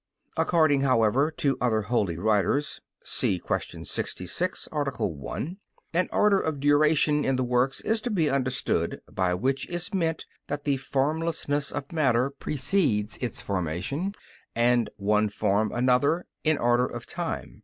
According, however, to other holy writers [* See Q. 66, A. 1], an order of duration in the works is to be understood, by which is meant that the formlessness of matter precedes its formation, and one form another, in order of time.